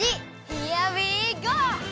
ヒアウィーゴー！